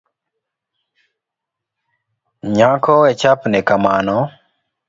Nyako wechapni kamano